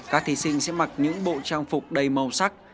các thí sinh sẽ mặc những bộ trang phục đầy màu sắc